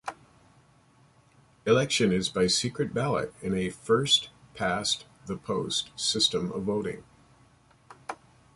Election is by secret ballot in a first-past-the-post system of voting.